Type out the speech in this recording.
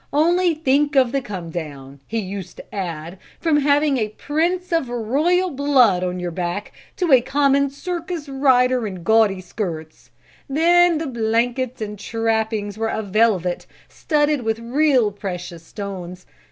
'Only think of the come down,' he used to add, 'from having a Prince of the royal blood on your back to a common circus rider in gaudy skirts! Then my blankets and trappings were of velvet, studded with real precious stones.